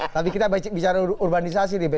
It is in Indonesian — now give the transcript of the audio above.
tapi kita bicara urbanisasi nih